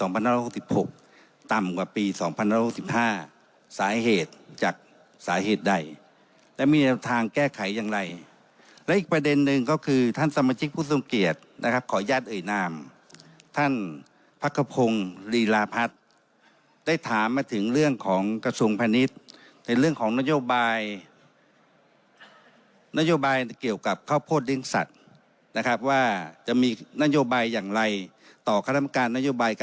สาเหตุจากสาเหตุใดและมีแนวทางแก้ไขอย่างไรและอีกประเด็นหนึ่งก็คือท่านสมาชิกผู้ทรงเกียจนะครับขออนุญาตเอ่ยนามท่านพักขพงศ์ลีลาพัฒน์ได้ถามมาถึงเรื่องของกระทรวงพาณิชย์ในเรื่องของนโยบายนโยบายเกี่ยวกับข้าวโพดเลี้ยงสัตว์นะครับว่าจะมีนโยบายอย่างไรต่อคณะกรรมการนโยบายก